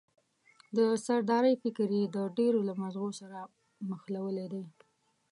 د سردارۍ فکر یې د ډېرو له مغزو سره مښلولی دی.